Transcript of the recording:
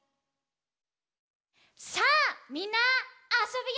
さあみんなあそぶよ！